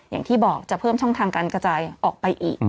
อย่างที่บอกจะเพิ่มช่องทางการกระจายออกไปอีก